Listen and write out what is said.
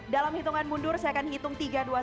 dalam hitungan mundur saya akan hitung tiga dua satu